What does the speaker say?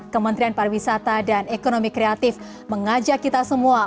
kementerian pariwisata dan ekonomi kreatif mengajak kita semua